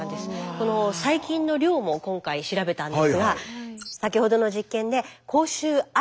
この細菌の量も今回調べたんですが先ほどの実験で口臭ありと判定された９人。